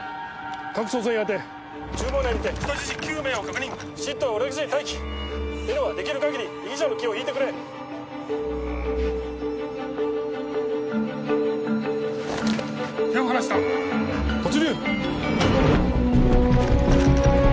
各捜査員あて厨房内にて人質９名を確認ＳＩＴは裏口に待機Ｎはできるかぎり被疑者の気を引いてくれ手を離した突入！